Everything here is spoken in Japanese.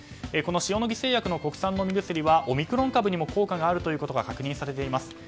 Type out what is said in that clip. この塩野義製薬の国産飲み薬はオミクロン株にも効果があるということが確認されています。